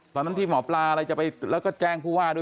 ตอนนั้นที่หมอปลาอะไรจะไปแล้วก็แจ้งผู้ว่าด้วย